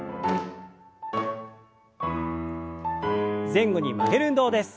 前後に曲げる運動です。